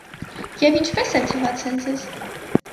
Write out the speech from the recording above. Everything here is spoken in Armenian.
- Եվ ինչպե՞ս է թվացել ձեզ: